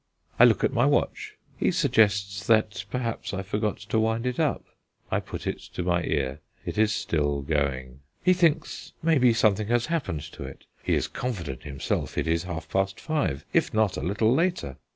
I look at my watch. He suggests that, perhaps, I forgot to wind it up. I put it to my ear; it is still going. He thinks, maybe, something has happened to it; he is confident himself it is half past five, if not a little later.